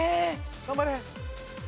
頑張れ！